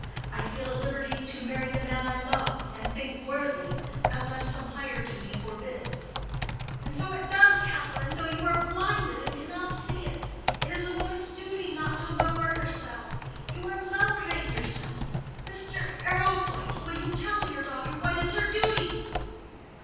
I feel at liberty to marry the man I love and think worthy, unless some higher duty forbids." "And so it does, Catherine, though you are blinded and cannot see it. It is a woman's duty not to lower herself. You are lowering yourself. Mr. Arrowpoint, will you tell your daughter what is her duty?"